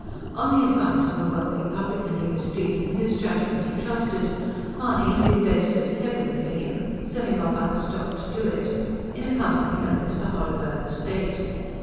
On the advice of a wealthy publican he was treating, whose judgment he trusted, Mahony had invested heavily for him, selling off other stock to do it in a company known as the Hodderburn Estate.